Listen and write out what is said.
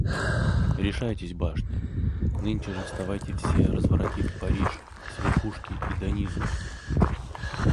Решайтесь, башня, — нынче же вставайте все, разворотив Париж с верхушки и до низу!